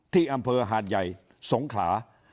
ที่อำเภอหาดใหญ่สงขลา